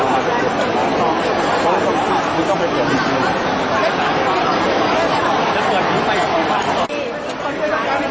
อาหรับเชี่ยวจามันไม่มีควรหยุด